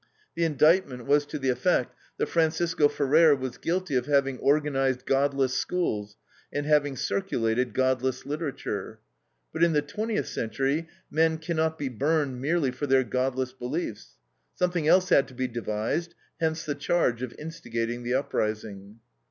The indictment was to the effect that Francisco Ferrer was guilty of having organized godless schools, and having circulated godless literature. But in the twentieth century men can not be burned merely for their godless beliefs. Something else had to be devised; hence the charge of instigating the uprising.